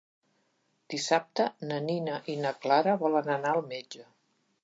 Dissabte na Nina i na Clara volen anar al metge.